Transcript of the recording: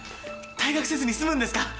退学せずに済むんですか？